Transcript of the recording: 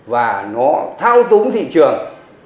và nó thao túng thị trường